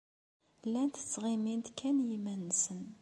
Llant ttɣimint kan i yiman-nsen.